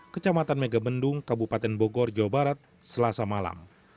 kecamatan megamendung kabupaten bogor jawa barat selasa malam